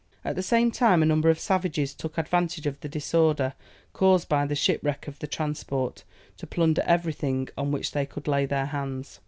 At the same time, a number of savages took advantage of the disorder caused by the shipwreck of the transport, to plunder everything on which they could lay their hands.